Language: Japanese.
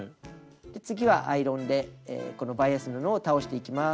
次はアイロンでこのバイアス布を倒していきます。